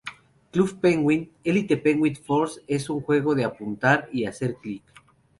Club Penguin: Elite Penguin Force es un juego de apuntar y hacer clic.